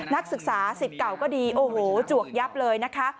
นักศึกษาสิทธิ์เก่าก็ดีโอ้โหจวกยับเลยนะคะ